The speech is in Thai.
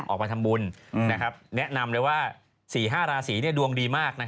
ออกไปทำบุญแนะนำเลยว่า๔๕ราศีดวงดีมาก